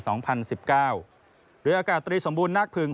เรืออากาศตรีสมบูรณ์นักพึง